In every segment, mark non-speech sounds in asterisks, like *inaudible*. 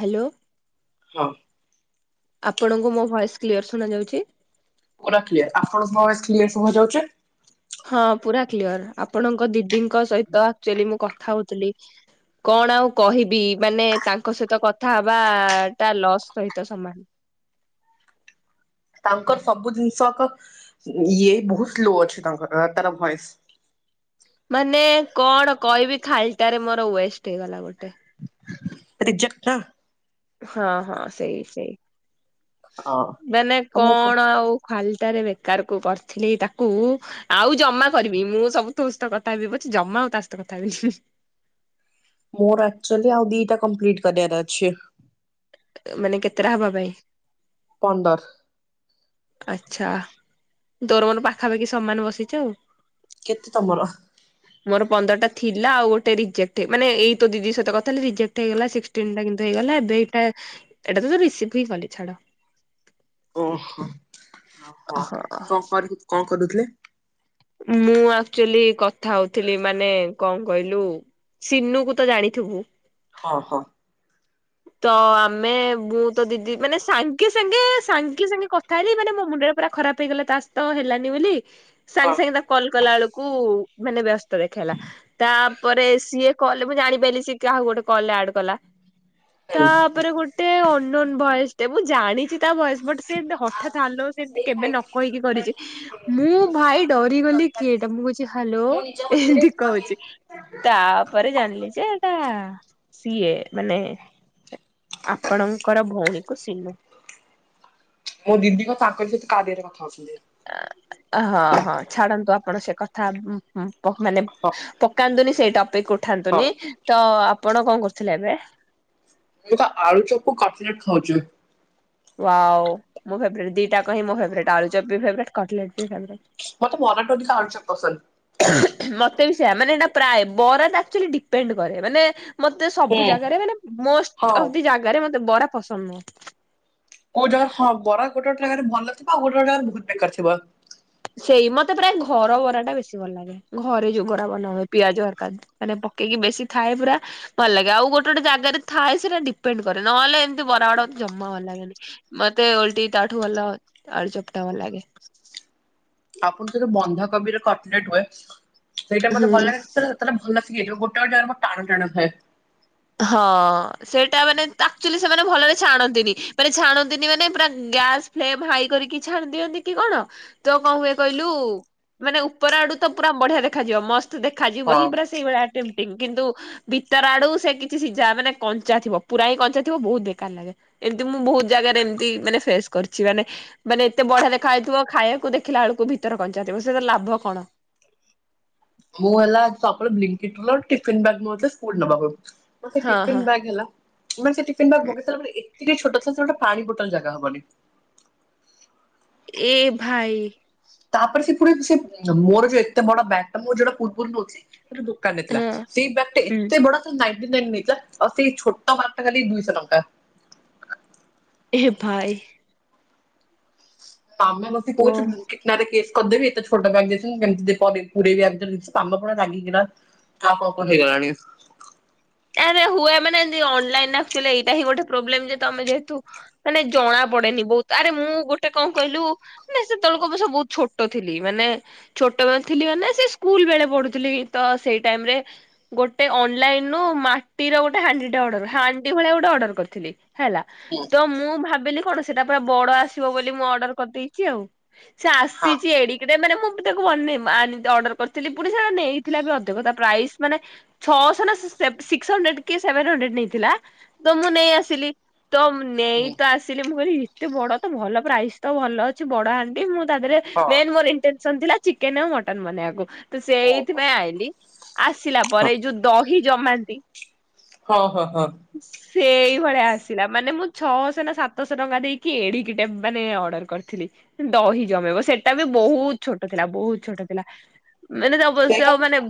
Hello. ହଁ। ଆପଣଙ୍କୁ ମୋ ଭଏସ୍ କ୍ଲିୟର ଶୁଣା ଯାଉଚି? ପୁରା କ୍ଲିୟର। ଆପଣଙ୍କ ଭଏସ୍ କ୍ଲିୟର ଶୁଭାଯାଉଚି। ହଁ ପୁରା କ୍ଲିଅର। ଆପଣଙ୍କ ଦିଦିଙ୍କ ସହିତ ଆକଚୁଆଲି ମୁଁ କଥା ହଉଥିଲି। କଣ ଆଉ କହିବି, ମାନେ ତାଙ୍କ ସହିତ କଥା ହବା ଟା ଲସ୍ ସହିତ ସମାନ। ତାଙ୍କର ସବୁ ଜିନିଷ କ ଇଏ ବହୁତ ସ୍ଲୋ ଅଛି ତାଙ୍କର ତାର ଭଏସ୍। ମାନେ କଣ କହିବି ଖାଲିଟାରେ ମୋର ୱେଷ୍ଟ ହେଇଗଲା ଗୋଟେ। ରିଜେକ୍ଟ ନା। ହଁ ହଁ ସେଇ ସେଇ। ହଁ ଆଉ ମାନେ ମୁଁ କ କଣ ଆଉ ଖାଲଟାରେ ବେକାର କୁ କରିଥିଲି ତାକୁ। ଆଉ ଜମା କରିବି। ମୁଁ ସବୁ କଥା ହେବି ପଛେ ଜମା ଆଉ ତା ସହିତ କଥା ହେବିନି। ମୋର ଆକଚୁଆଲି ଆଉ ଦିଟା କମ୍ପ୍ଲିଟ୍ କରିବାର ଅଛି। ମାନେ କେତେଟା ହବା ପାଇଁ। ପନ୍ଦର। ଆଚ୍ଛା ତୋର ମୋର ପାଖାପାଖି ସମାନ ବସିଛୁ ଆଉ। କେତେ ତମର? ମୋର ପନ୍ଦରଟା ଥିଲା ଆଉ ଗୋଟେ ରଜେକ୍ଟ ମାନେଏଇତ ଦିଦି ସହିତ କଥା ରିଜେକ୍ଟ ହେଇଗଲା। ନ୍ ଟା କିନ୍ତୁ ହେଇଗଲା ଏବେ ଏଇଟା ଏଟା ତ ରିସିଭ୍ ଭି କଲି ଛାଡ। ଓହୋହୋ ହଁ। କଣ କର କଣ କରୁଥିଲେ। ମୁଁ ଆଚୁଆଲି କଥା ହଉଥିଲି ମାନେ କଣ କହିଲୁ। ସିନୁ କୁ ତ ଜାଣିଥିବୁ। ହଁ ହଁ। ତ ଆମେ ମୁଁ ତ ଦିଦି ମାନେ ସାଙ୍ଗେ ସାଙ୍ଗେ ସାଙ୍ଗେ ସାଙ୍ଗେ କ *unintelligible* ମାନେ ମୋ ମୁଣ୍ଡରେ ପୁରା ଖରାପ ହେଇଗଲା ତାସହିତ ହେଲାନି ବୋଲି। ହଁ। ସାଙ୍ଗେ ସାଙ୍ଗେ ତା କଲ କଲା ବେଳକୁ ମାନେ ବ୍ୟସ୍ତ ଦେଖେଇଲା ତାପରେ ସିଏ କଲରେ ମୁଁ ଜାଣି ପାରିଲି ସେ କାହାକୁ ଗୋଟେ କଲରେ ଆଡ କଲା ହୁଁ ତାପରେ ଗୋ ଟେ ଅନନ୍ୟ ଭଏସ ଟେ ମୁଁ ଜାଣିଛି ତା ଭଏସ ବାଟ୍ ସେମିତି ହଠାତ୍ *unintelligible* ସେମିତି କେବେ ନ କହିକି କରିଛି ମୁଁ ଭାଇ ଡରି ଗଲି କିଏ ଏଟା ମୁଁ କହୁଛି ହ୍ୟାଲୋ ଏମିତି କହୁଛି ଡା ତାପରେ ଜାଣିଲି ଯେ ଏଟା ସିଏ ମାନେ ଆପଣଙ୍କର ଭଉଣୀକୁ ସିଲୁ ମୋ ଦିଦି କ ତାଙ୍କରି ସହିତ କାରିଆରେ କଥା ହଉ ଥିଲେ। ହଁ ହଁ ଛାଡନ୍ତୁ ଆପଣ ସେ କଥା ହୁଁ ହୁଁ। ମାନେ ହଁ ପକାନ୍ତୁନି ସେଇ ଟପିକ ହଁ। ଉଠାନ୍ତୁନି ତ ଆପଣ କଣ କରୁଥିଲେ ଏବେ। ମୁଇଁ ତ ଆଳୁ ଚପ କପଲେଟ ଖାଉଛୁ। ବାଉ ମୋ ଫେବରେଟ୍ ଦିଟା କହି ମୋ ଆଳୁ ଚପ୍ ବି ଫେବରେଟ୍ କପ ଲେଟ୍ ଫେବରେଟ୍। ମଁ ତ ମରାଠ ମ ଖା ଆଳୁଚପ୍ ପସନ୍ଦ। ମତେ ବିଷୟ ମାନେ ଏଇଟା ପ୍ରାୟ ବରାଚୁଆଲି ଡିପେଣ୍ଡ କରେ ମାନେ ମତେ ହୁଁ ସବୁ ଜାଗାରେ ମାନେ ମୋଷ୍ଟ ଅଫ ହଁ। ଦି ଜାଗାରେ ମତେ ବରା ପସନ୍ଦ ନୁହଁ। କୋଉ ଜାଗାରେ ହଁ ବରା ଗୋଟେ ଗୋଟେ ଜାଗାରେ ଭଲ ଥିବ ଆଉ ଗୋଟେ ଗୋେ ଜାଗାରେ ବହୁତ ବେକାର ଥିବ। ସେଇ ମତେ ପ୍ରାୟ ଘର ବରା ଟା ବେଶୀ ଭଲ ଲାଗେ। ଘରେ ଯୋଉ ବରା ବନା ହୁଏ ପିଆଜ *unintelligible* ମାନେ ପକେଇକି ବେଶୀ ଥାଏ ପୁରା। ଭଲ ଲାଗେ ଆଉ ଗୋଟେ ଗୋଟେ ଜାଗାରେ ଥାଏ ସେଟା ଡିପେଣ୍ଡ କରେ ନହେଲେ ଏମିତି ବରା ଗୁଡା ଜମା ଭଲ ଲାଗେନି। ମତେ ଓଲଟି ତାଠୁ ଭଲ ଆଳୁ ଚପ୍ ଟା ଭଲଲାଗେ। ଆପଣ ଯଦି ବନ୍ଧାକୋବିରେ କଟଲେଟ୍ ହୁଏ ସେଇଟା ମତେ ହୁଁ। ଭଲ ଲାଗେ। ସେ ସେତେବେଳେ ଭଲଥିବ ଗୋଟା ଗୋଟା ଟାଣ ଟାଣ ଥାଏ। ହଁ ସେଇଟା ମାନେ ଆକ୍ଚୁଲି ସେମାନେ ଭଲରେ ଛାଣନ୍ତିନି ମାନେ ଛାଣନ୍ତିନି ମାନେ ପୁରା ଗ୍ୟାସ୍ ଫ୍ଲେମ୍ ହାଇ କରିକି ଛାଣିଦିଅନ୍ତି କି କଣ ତ କଣ ହୁଏ କହିଲୁ? ମାନେ ଉପର ଆଡୁ ତ ପୁରା ବଢିଆ ଦେଖାଯିବ ମସ୍ତ। ଦେଖା ଯିବ ହଁ। ହିଁ ସେଇଭଳିଆ କିନ୍ତୁ ଭିତର ଆଡୁ ସେ କି ସିଝା ମାନେ କଞ୍ଚା ଥିବ ପୁରାଏ କଞ୍ଚା ଥିବ ବହୁତ ବେକାର ଲାଗେ। ଏମିତି ମୁଁ ବହୁତ ଜାଗାରେ ଏମିତି ମାନେ ଫେସ୍ କରିଛି ମାନେ ମାନେ ଏତେ ବଢିଆ ଦେଖା ଯାଇଥିବ ଖାଇବାକୁ ଦେଖିଲା ବେଳକୁ ଭିତରେ କଞ୍ଚା ଥିବ ସେ ତ ଲାଭ କଣ। ମୁଁ ହେଲା ଟିଫିନ *unintelligible* ସ୍କୁଲ୍ ନେବାକୁ। ହଁ ହଁ। ଟିଫିନ୍ ବ୍ୟାଗ୍ ହେଲା ମାନେ ସେ ଟିଫିନ୍ ବ୍ୟାଗ୍ ମଗେଇ ସାରିଲା ପରେ ଏତେ ଛୋଟ ଥିଲା ଯେ ଗୋଟେ ପାଣି ବୋଟଲ ଜାଗା ହବନି। ଏ ଭାଇ। ତାପରେ ସେ ପୁରା ଛିଟ୍ ମୋର ଯୋଉ ଏତେ ବଡ ବ୍ୟାଗ ଟା ମୁଁ ଯୋଉଟା ପ୍ବର୍ବରୁ ନେଉଛି। ସେଇଟା ଦୋକାନଟେ ଥିଲା ହଁ। ସେଇ ବାଟେ ହୁଁ। ଏତେ ବଡ। ନାଇଟି ନେଇଯା। ଆଉ ସେଇ ଛୋଟ ବ୍ୟାଗଟା ଖାଲି ଦୁଇଶହ ଟଙ୍କା। ଏ ଭାଇ। ମାମା ମତେ ଓ କହୁଛି ବୁଲିଦେ। ତୋ ନାଁରେ କେସ୍ କରିଦେବି ଏତେ ଛୋଟ ବ୍ୟାଗ୍ କେମିତି ପୁରେଇବି ଆଭିତରେ ଜିନିଷ ମାମା ପୁରା ରିଗିକିନା। ଆମ୍ବ ବନି ଗଲାଣି ଏଥର। ଆରେ ହୁଏ ମାନେ ଏମିତି ଅନଲାଇନରେ ଆସୁଛି ବୋଲି ଏଇଟା ହିଁ ଗୋଟେ ପ୍ରୋବ୍ଲେମ୍ ଯେ ତମେ ଯେହେତୁ। ମାନେ ଜଣା ପଡେନି ବହୁତ୍ ଆରେ ମୁଁ ଗୋଟେ କଣ କହିଲୁ?। ନାଇଁ ସେତବେଳେକୁ ଅବଷ୍ୟ ବହୁତ ଛୋଟ ଥିଲି। ମାନେ। ଛୋଟବେଳେ ଥିଲି ମାନେ ସେ ସ୍କୁଲ ବେଳେ ପଢୁଥିଲି ତ ସେଇ ଟାଇମ୍ ରେ ଗୋଟେ ଅନଲାଇନ। ମୁଁ ମାଟିର ଗୋଟେ ହାଣ୍ଡି ଟା ଅର୍ଡର ହାଣ୍ଡି ଭଳିଆ ଗୋଟେ ଅର୍ଡର କରିଥିଲି, ହେଲା। ହୁଁ ତ ମୁଁ ଭାବିଲି କଣ ସେଟା ପୁରା ବଡ ଆସିବ ବୋଲି ମୁଁ ଅର୍ଡର କରିଦେଇଚି ଆଉ। ସେ ହଁ ଆସିଚି ଏଡିକି। ମାନେ ମୁଁ ବି ତାକୁ ମାନେ ଅର୍ଡର କରିଥିଲି, ପୁଣି ସେ ନେଇଥିଲା ବି ଅଧିକ ତା ପ୍ରାଇସ୍ ମାନେ। ଛଅଶହ ନା ସାତଶହ। ସିକ୍ସ୍ ହଣ୍ଡ୍ରେଡ୍ କି ସେଭେନ୍ ହଣ୍ଡ୍ରେଡ୍ ନେଇଥିଲା ତ ମୁଁ ନେଇ ଆସିଲି ତ ହୁଁ ନେଇତ ଆସିଛି। ମୁଁ କହିଲି ଏତେ ବଡ ତ ଭଲ ପ୍ରାଇସ୍ ଭଲ ଅଛି ବଡ ହାଣ୍ଡି ମୁଁ ତା ଦେହରେ ହଁ ମେନ୍ ମୋର ଇଣ୍ଟେ। ଇଛା ଥିଲା ଚିକେନ୍ ଆଉ ମଟନ ବନେଇବାକୁ ତ ସେ ଓହୋ ସେଇଥିପାଇଁ ଆଇଁଲି। ଆସିଲା ପରେ ଏଇ ଯୋଉ ଦହି ଜମାନ୍ତି। ହଁ ହଁ ହଁ। ସେଇଭଳିଆ ଆସିଲା, ମାନେ ମୁଁ ଛଅଶହ ନା ସାତଶହ ଟଙ୍କା ଦେଇକି ଏଡିକିଟେ ମାନେ ଅର୍ଡର୍। କରିଥିଲି ଦହି ଜମେଇବ। ସେଟା ବି ବହୁତ ଛୋଟ ଥିଲା ବହୁତ ଛୋଟ ଥିଲା। ମାନେ ଅବଶ୍ୟ ସେଇଟା ମାନେ। ହୁଁ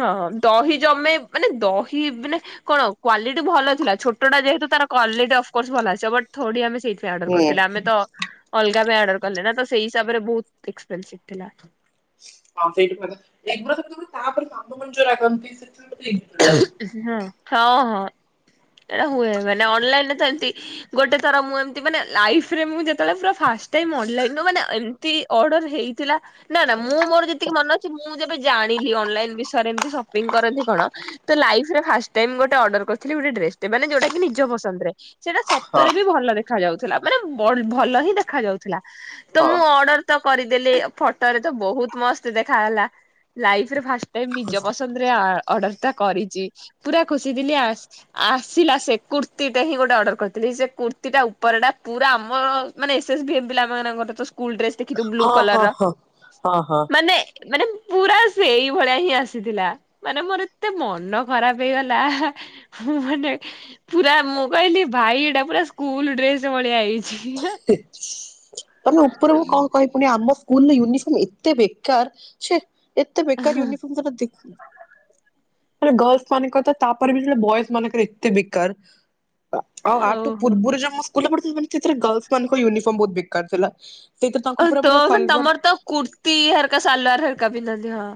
ହଁ ହଁ ଦହି ଜମେଇ। ମାନେ ଦହି, ମାନେ। କଣ କ୍ୱାଲିଟି ଭଲ ଥିଲା ଛୋଟଟା ଯେହେତୁ ତାର କୁଆଲିଟି ଅଫଗୋସ ଭଲ ଆସିବ ବଟ୍ ଥୋଡି ଆମେ ସେଇଠୁ। ଅଡର କରିଥିଲେ ଆମେ ତ ଅଲଗା ପାଇଁ ଅଡର୍ କଲେନା ତ ସେଇ ହିସାବରେ ଏକ୍ସପେନସସିଭି ଥିଲା। ହଁ ସେଇଠୁ ତା ଉପରେ କାମ ମଞ୍ଜରେ ରାଗନ୍ତି, ସେଥିପାଇଁ। ହଁ ହଁ ଏଇଟା ହୁଏ, ମାନେ ଅନ୍ଲାଇନରେ ତ ଏତିକି। ଗୋଟେ ଥର ମୁଁ ଏମତି ମାନେ ଲାଇଫିରେ ମୁଁ ଯେତେବେଳେ ଫାଷ୍ଟ୍ ଟାଇମ୍ ଅନ୍ଲାଇନରୁ ମାନେ। କେମିତି ଅର୍ଡର ହେଇଥିଲା। ନା ନା ମୁଁ ମୋର ଯେତିକି ମନେ ଅଛି ମୁଁ ଯେବେ ଜାଣିଲି ଅନ୍ଲାଇନ୍ ବିଷୟରେ ଏମିତି ସପିଙ୍ଗ୍ କରନ୍ତି କଣ। ତ ଲାଇଫିରେ ଫାଷ୍ଟ୍ ଟାଇମ୍ ଗୋଟେ ଅର୍ଡର କରିଥିଲି ଗୋଟେ ଡ୍ରେସଟେ ମାନେ ଯୋଉଟା କି ନିଜ ପସନ୍ଦରେ। ସେଇଟା ହଁ ସତରେ ବି ଭଲ ଦେଖା ଯାଉଥିଲା, ମାନେ ଭଲ ହିଁ ଦେଖା ଯାଉଥିଲା। ତ ହଁ ମୁଁ ଅର୍ଡର। ତ କରିଦେଲି ଫଟରେ ତ ବହୁତ ମସ୍ତ ଦେଖାଗଲା ଲାଇଫିରେ ଫାଷ୍ଟ ଟାଇମ୍ ନିଜ ପସ୍। ଆନନ୍ଦରେ ଆ ଅର୍ଡର ଟା କରିଚି ପୁରା ଖୁସି ଥିଲି ଆଉ। ଆସିଲା ସେ କୁର୍ତିୀଟା ହିଁ ଗୋଟେ ଅର୍ଡର କରିଥିଲି ସେ କୁର୍ତ୍ତିୀ ଟା ଉପରଟା ପୁରା ଆମ। ମାନେ ଏସସଵି ପିଲାଙ୍କର ସ୍କୁଲ ଡ୍ରେସ ଦେଖିଥିବୁ ବ୍ଲୁ ହଁ ହଁ କଲର ହଁ ହଁ ହଁ ମାନେ। ମାନେ ପୁରା ସେଇ ଭଳିଆ ହିଁ ଆସିଥିଲା ମାନେ ମୋର। ଏତେ ମନ ଖରାପ ହେଇଗଲା ମୁଁ ମାନେ। ପୁରା ମୁଁ କହିଲି ଭାଇ ଏଟା ପୁରା ସ୍କୁଲ ଡ୍ରେସ ଭଳିଆ ହେଇଛି। ମାନେ ଉପରକୁ ମୁଁ କଣ କହିବିି। ପୁଣି ଆମ ସ୍କୁଲ ୟୁନିଫର୍ମ ଏତେ ବେକାର ସେ। ଏତେ ବେକାର ୟୁନିଫର୍ମ କରନ୍ତି। ମାନ ଗର୍ଲସ ମାନଙ୍କର ତ ତାପରେ ବି ସେ ବଏଜ ମାନଙ୍କର ଏତେ ବେକାର। ୟାଠୁ ଓହୋ। ପୂର୍ବରୁ ମୁଁ ଜଉ ସ୍କୁଲ ପଢୁଥିଲି କିନ୍ତୁ ସେଥିରେ ଗାର୍ଲସ ମାନଙ୍କ ୟୁନିଫର୍ମ ବହୁତ ବେକାର ଥିଲା। ସେଇଥିରେ ତାଙ୍କୁ ଓହୋ ପୁରା ପୁରା ତୋର ସଲଭର ତମର ତ କୁର୍ତ୍ତି ହେରିକା ସାଲୱାର ହେରିକା ପିନ୍ଧନ୍ତି ହଁ।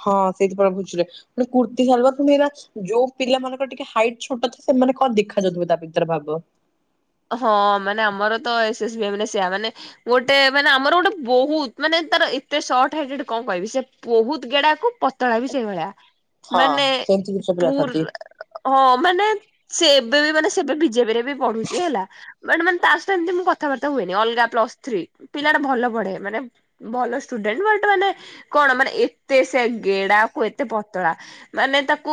ହଁ ସେଇଥିପାଇଁ ଭୁଝିଲେ ପଣି କୁର୍ତ୍ତୀ ସାଲୱାର୍ ତ ମେରା ଯୋଉ ପିଲା ମାନଙ୍କର ଟିକେ ହାଇଟ୍ ଛୋଟ ଥାଏ ସେମାନେ କଣ ଦେଖା ଯାଉଥିବେ ତା ଭିତରେ ଭାବ। ହଁ ମାନେ ଆମର ତ ଏସ୍ ଏସ ବି ମାନେ ସେୟା ମାନେ ଗୋଟେ ମାନେ ଆମର ଗୋଟେ ବହତ୍ ମାନେ ତାର ଏତେ ସଟ୍ ହାଇଟ ଗୋଟେ କଣ କହିବି ସେ ବହୁତ ଗେଡାକୁ ପ ପତଳା ବି ସେଇ ଭଳିଆ ହଁ ମାନେ ସେମିତି କିଛି ପିଲା ଥାନ୍ତି। ପୁରା ହଁ ମାନେ ସେ ଏବେ ବି ମାନେ ସେ ବି - ବିଜେପି ରେ ବି ପଢୁଛି। ଚି ହେଲା ମାନେ ମାନେ ତା ସହିତ ଏମତି ମୁଁ କଥାବାର୍ତ୍ତା ହୁଏନି ଅଲଗା ପ୍ଲସ ଥ୍ରୀ ପିଲାଟା ଭଲ ପଢେ ମାନେ ଭଲ ଷ୍ଟୁଡେଣ୍ଟ ବଟ୍ ମାନେ କଣ ମାନେ ଏତେ ସେ ଗେଡାକୁ ଏତେ ପତଳା ମାନେ ତାକୁ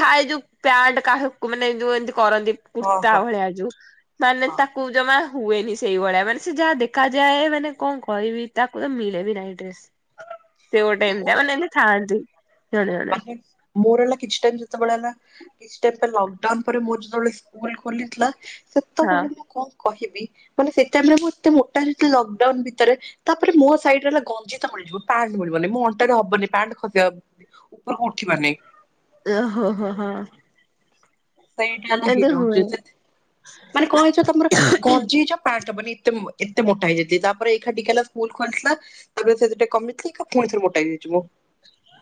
ଥାଏ ଯୋଉ ପ୍ୟାଟ୍ କାହାକୁ ମାନେ ଯୋଉ ଏମତି କରନ୍ତି ହଁ କୁର୍ତ୍ତା ହଁ ଭଳିଆ ଯୋଉ ମାନେ ହଁ ତା କୁ ଜମା ହୁଏନି ସେଇଭଳିଆ ମାନେ ସେ ଯାହା ଦେଖାଯାଏ ମାନେ କଣ କହିବି ତାକୁ ତ ମିଳେ ବିି ନାଇଁ ଡ୍ରେସ୍ ସେ ଗୋଟେ ମୁଁ ଏମତିଆ ମାନେ ଏମତି ଥାନ୍ତି। ମାନେ ମୋର ହେଲା କିଛି ଟାଇମ୍ ଯେତେବେଳେ ହେଲା କିଛି ଟାଇମ୍ ପରେ ଲକଡାଉନ ପରେ ମୋର ଯେତେବେଳେ ସ୍କୁଲ ଖୋଲିଥିଲା ହଁ ସେତେବେଳେ ମୁଁ କ କହିବି ମାନେ ସେଟାଇମ୍ ରେ ମୁଁ ଏତେ ମୋଟା ହେଇଥିଲି ଲକଡାଉନ୍ ଭିତରେ ତାପରେ ମୋ ସାଇଡରେ ହେଲା ଗଞ୍ଜିି ତ ମିଳିଯିବ ପ୍ୟାଣ୍ଟ ମିଳିବନି ମୁଁ ଅଣ୍ଟାରେ ହବନି ପ୍ୟାଣ୍ଟ ଖସିବା ଉପରକୁ ଉଠିବ ନି। ଓ ହୋ ହୋ ହଁ। ସେଇଟା ହେଲା ଏମିତି ହୋରୋ ତ ହୁଏ। ସେ ମାନେ କଣ ହେଇଛ ତମର ଗଞ୍ଜି ହେଇଯିବ ପ୍ୟାଣ୍ଟ ହବନି ଏତେ ମୋ *unintelligible* ଏତେ ମୋଟା ହେଇ ଯାଇଥିଲି ତା ପରେ ଏକାଠିକା ସ୍କୁଲ ଖୋଲି ତାପରେ ସେ ଯୋଉ ଟିକେ କମି ଥିଲି ଏଇଁଖା ପୁଣିଥରେ ମୋଟା ହେଇଯାଇଛି ମୁଁ।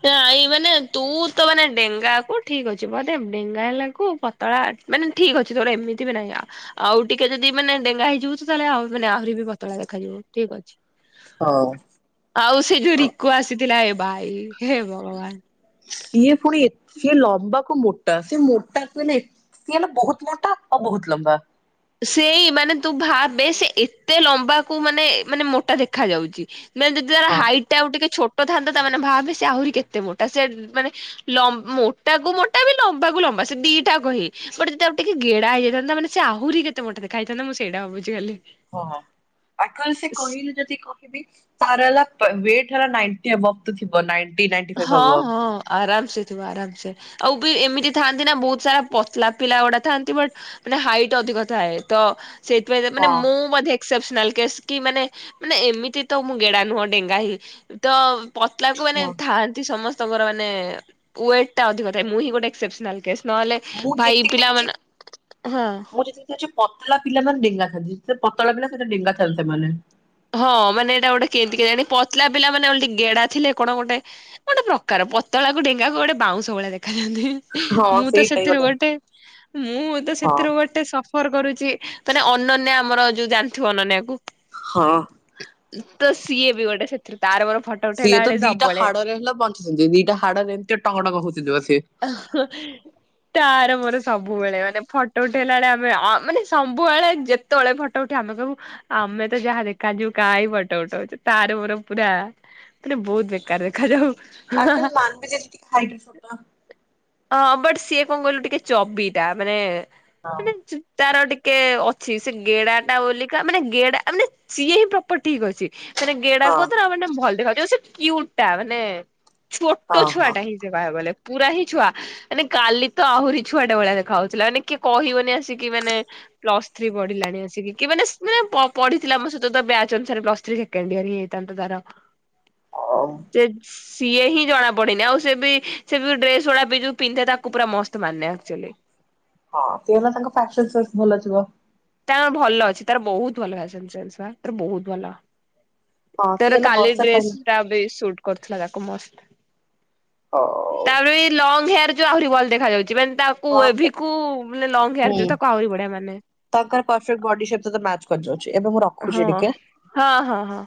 ନା ମାନେ ତୁ ତ ମାନେ ଡେଙ୍ଗା କୁ ଠିକ୍ ଅଛି ବଧେ ଡେଙ୍ଗା ହେଲାକୁ ପ ତ ମାନେ ଠିକ୍ ଅଛି ତର ଏମିତି ବି ନାହିଁ ଆଉ ଆଉ ଟିକେ ଯଦି ମାନେ ଡେଙ୍ଗା ହେଇଯିବୁ ତୁ ତାହେଲେ ଆଉ ମାନେ ଆହୁରି ଆହୁରି ବି ପତଳା ଦେଖାଯିବୁ ଠିକ୍ ଅଛି। ହ। ଆଉ ସେ ଯୋଉ ରିକୁୁ ଆସିଥିଲା ଏ ଭାଇ ହେ ଭଗବାନ୍ ସିଏ ପୁଣି ଏ ସିଏ ଲମ୍ବାକୁ ମୋଟା ସିଏ ମୋଟା କହିଲେ ଏ ସିଏ ହେଲା ବହୁତ୍ ମୋଟା ଆଉ ବହୁତତ୍ ଲମ୍ବା। ସେଇ ମାନେ ତୁ ଭାବେ ସେ ଏତେ ଲମ୍ବାକୁ ମାନେ ମାନେ ମୋଟା ଦେଖା ଯାଉଛି। ମାନେ ଯଦି ତାର ହଁ ହାଇଟ୍ ଟା ଆଉ ଟିକେ ଛୋଟ ଥାଆନ୍ତା ତା ମାନେ ଭାବେ ସେ ଆହୁରି କେତେ ମୋଟା ସେ ମାନେ ଲମ୍ ମୋଟା କୁ ମୋଟା ବି ଲମ୍ବା କୁ ଲମ୍ବା ସେ ଦିଟାକ ହି ଗୋଟେ ଯଦି ଆଉ ଟିକେ ଗେଡ଼ାଇଯାଇଥାନ୍ତା ମାନେ ସେ ଆହୁରି କେତେ ମୋଟା ଦେଖା ହେଇଥାନ୍ତା ମୁଁ ସେଇଟା ଭାବୁିଛି ଖାଲି। ହଁ ପାଖରେ ସେ କହିଲେ ଯଦି କ ବି ତାର ହେଲା ୱେଟ ହେଲା ନାଇଣ୍ଟି ଏବଭ୍ ତ ଥିବ ନାଇଁଟି ନାଇଁନ ହଁ ହଁ। ଆରାମ୍ ସେ ଥିବ ଆରାମ୍ ସେ ଆଉ ବି ଏମିତି ଥାଆନ୍ତି ନା ବହୁତ୍ ସାରା ପତଲା ପିଲା ଗୁଡା ଥାଆନ୍ତି ବଟ୍ ମାନେ ହାଇଟ୍ ଅଧିକ ଥାଏ ତ ସେଇଥିପାଇଁ ମାନେ ହଁ ମୁଁ ବଧେ ସପ୍ସନାଲ୍ କେଶ୍ ମାନେ ମାନେ ଏମିତି ତ ମୁଁ ଗେଡା ନୁହଁ ଡେଙ୍ଗା ହି ତ ପତଲା କୁ ମାନେ ହଁ ଥାନ୍ତି ସମସ୍ତଙ୍କର ମାନେ ୱେଟ୍ ଟା ଅଧିକ ଥାଏ ମୁଁ ହିଁ ଗୋଟେ ଏକ୍ସେପସନାଲ କେସ୍। ନହେଲେ ମୁଁ ଭାଇ ଯେତିକି ପିଲାମାନେ ହଁ। ସେ ଯୋଉ ପତଳା ପିଲାମାନେ ଡେଙ୍ଗା ଥାନ୍ତି ସେ ପତଳା ପିଲା ସେ ଦେଙ୍ଗଥାନ୍ତି ସେମାନେ। ହଁ ମାନେ ଏଇଟା ଗୋଟେ କେମିତି କେୟାଣି ପତଲା ପିଲାନେ ଗେଡା ଥିଲେ କଣ ଗୋଟେ ଗୋଟେ ପ୍ରକାର ପତଳାକୁ ଡେଙ୍ଗା କୁ ଗୋଟେ ବାଉଁଶ ଭଳିଆ ଦେଖାଯାଆନ୍ତି *unintelligible* ହଁ ମୁଁ ତ ସେଇଟା ହିଁ ସେଥିରୁ ଗୋଟେ ମୁଁ ତ ହଁ ସେଥିରୁ ଗୋ ଟେ ସଫର କରୁଛି ମାନେ ଅନନ୍ୟା ଆମର ଯୋଉ ଜାଣିଥିବ ଅନନ୍ୟା କୁ। ହଁ। ତ ସିଏ ବି ଗୋଟେ ତାର ମର ଫଟ ସିଏ ତ ଦିଟା ହାଡରେ ହେଲା ବଞ୍ଚୁଛନ୍ତି ଦିଟା ହାଡ ରେ ଏମିତି ଟଙ୍ଗ ଟଙ୍ଗ ହଉଛନ୍ତି ବା ସିଏ। ତାର ମୋର ସବୁବେଳେ ମାନେ ଫଟୋ ଉଠେଇଲା ବେଳେ ଆମେ ମାନେ ସବୁବେଳେ ଯେତ ତଳେ ଫଟୋ ଉଠି ଆମେ କହିବୁ ଆମେ ତ ଯାହା ଦେଖା ଯିବୁ କାହିଁ ଫଟ ଉଠଉଛୁ ତାର ମୋର ପୁରା ମାନେ ବହୁତ ବେକାର ଦେଖାଯାଉ। ‌ *unintelligible* ହଁ ବଟ ସିଏ କଣ କହିଲୁ ଟିକେ ଚବିଟା ମାନେ। ହଁ। ମାନେ ତାର ଟିକେ ଅଛି ସେ ଗେଡା ଟା ବଲିକା ମାନେ ଗେଡା ମାନେ ସିଏ ହିଁ ପ୍ର ପଟ୍ ଠିକ୍ ଅଛି ମାନେ ଗେଡା ହଁ କହୁଥିଲ ମାନେ ଭଲ ଦେଖା କ୍ୱୟୁଟା ଟା ମାନେ ଛୋଟ ହଁ ଛୁଆ ହଁ ଟା ହିଁ ସେ ବା ବଲେ ପୁରା ହିଁ ଛୁଆ। ମାନେ କାଲି ତ ଆହୁରି ଛୁଆଟେ ଭଳିଆ ଦେଖାଯାଉଥିଲା ମାନେ କିଏ କହିବନି ଆସିକି ମାନେ ପ୍ଲସ୍ ଥ୍ରୀ ପଢିଲାଣି ଆସିକି କି ମାନେ ପଢିଥିଲା ଆମ ସହିତ ବ୍ୟାଚ୍ ଅନୁସାରେ ପ୍ଲସ୍ ଥ୍ରୀ। କେଣ୍ଡିଆରି ହେଇଥାନ୍ତା ତାର। ହଁ। ସେ ସିଏ ହିଁ ଜଣା ପଡନି ଆଉ ସେ ବି ସେ ଯଉ ଡ୍ରେସ ଗୁଡା ବି ଯଉ ପିନ୍ଧେ ତାକୁ ପୁରା ମସ୍ତ ମାନେ ଆକଚୋଲି। ହଁ ସେ ହେଲା ତାଙ୍କ ଫ୍ୟାଟସ ଭଲଥିବ। ‌ ତା ଭଲ ଅଛି ତାର ବହୁତ ଭଲ *unintelligible* ତାର ବହୁତ ଭଲ। ‌ ହଁ ସିଏ ତାର ହେଲା କାଲି ବର୍ଷା ଡ୍ରେସ ଟାଇମ ଟା ବି ସୁଟ କରୁଥିଲା ତାକୁ ମସ ହଉ। ତାର ବି ଲଙ୍ଗ ହେୟାର। ଆହୁରି ଭଲ ଦେଖାଯାଉଛି ମାନେ ତାକୁ ଏଭି କୁ ଲଙ୍ଗ ହୁଁ ହେୟାର ଯୋଉ ତାକୁ ଆହୁରି ବଢଆ ମାନେ। *unintelligible* ବଡି ସହିତ ମ୍ୟାଚ କରିଯାଉଛି ଏବଂମୋର ହୁଁ ହଁ ହଁ ହଁ।